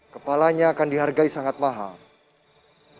kepalanya akan dihargai sangat mahal